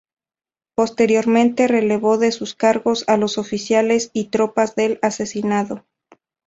Posteriormente, relevó de sus cargos a los oficiales y tropas del asesinado.